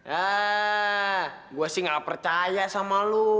ah gue sih gak percaya sama lo